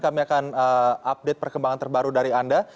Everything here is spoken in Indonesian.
kami akan update perkembangan terbaru dari anda